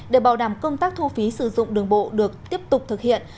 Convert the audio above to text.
để bảo đảm công tác thu phí sử dụng đường bộ được tiếp tục thực hiện